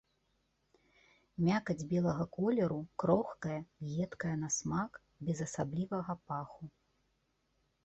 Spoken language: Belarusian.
Мякаць белага колеру, крохкая, едкая на смак, без асаблівага паху.